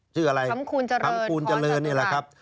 ชื่ออะไรคำคูณเจริญคำคูณเจริญนี่แหละครับ